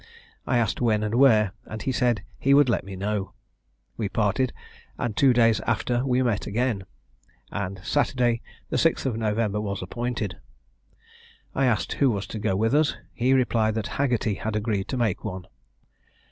I asked when and where, and he said he would let me know. We parted, and two days after we met again, and Saturday, the 6th of November, was appointed. I asked who was to go with us? He replied that Haggerty had agreed to make one.